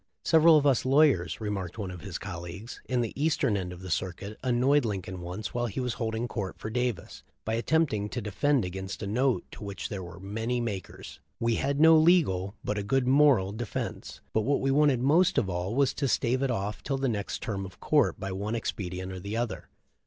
"Several of us lawyers," remarked one of his col leagues, "in the eastern end of the circuit annoyed Lincoln once while he was holding court for Davis by attempting to defend against a note to which there were many makers. We had no legal, but a good moral defense, but what we wanted most of all was to stave it off till the next term of court by one expedient or another.